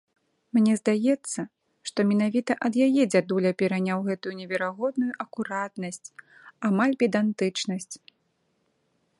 Мне здаецца, што менавіта ад яе дзядуля пераняў гэтую неверагодную акуратнасць, амаль педантычнасць.